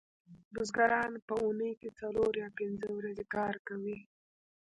بزګران په اونۍ کې څلور یا پنځه ورځې کار کوي